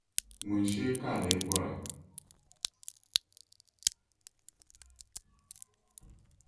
ŋun shee ka a lee bɔra?